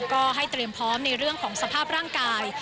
ก็ให้เตรียมพร้อมในเรื่องของสภาพร่างกาย